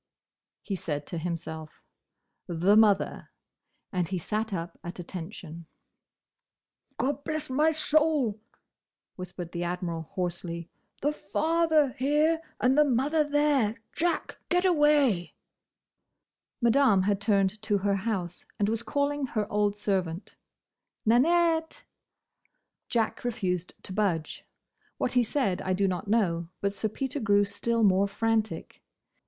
he said to himself, "the mother!" and he sat up at attention. "Gobblessmysoul!" whispered the Admiral, hoarsely. "The father here, and the mother there! Jack! Get away!" Madame had turned to her house and was calling her old servant. "Nanette!" Jack refused to budge. What he said I do not know; but Sir Peter grew still more frantic.